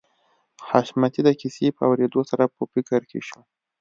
حشمتي د کيسې په اورېدو سره په فکر کې شو